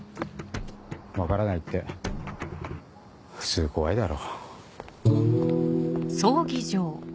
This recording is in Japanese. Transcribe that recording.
分からないって普通怖いだろ。